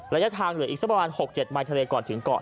ระยะทางเหลืออีกสักประมาณ๖๗มายทะเลก่อนถึงเกาะ